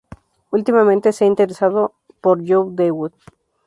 Últimamente, se ha interesado por John Dewey.